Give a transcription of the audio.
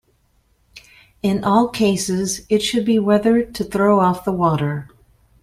In all cases it should be weathered to throw off the water.